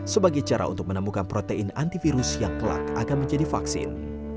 sebagai cara untuk menemukan protein antivirus yang kelak akan menjadi vaksin